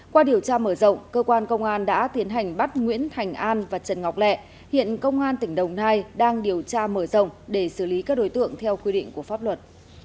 qua điều tra mở rộng cơ quan công an đã tiến hành bắt nguyễn thành an và trần ngọc lẹ hiện công an tỉnh đồng nai đang điều tra mở rộng để xử lý các đối tượng theo quy định của pháp luật